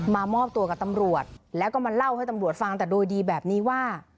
มามอบตัวกับตำรวจแล้วก็มาเล่าให้ตำรวจฟังแต่โดยดีแบบนี้ว่า